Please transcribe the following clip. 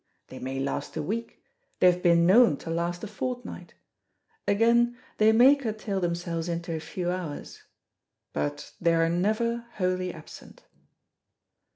They may last a week, they have been known to last a fortnight; again, they may curtail themselves into a few hours, but they are never wholly absent.